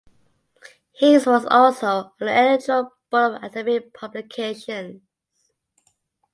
He is was also on the editorial board of academic publications.